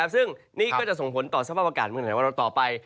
ซึ่งนี่ก็จะส่งผลต่อสภาพอากาศเมืองไหนของเราต่อไป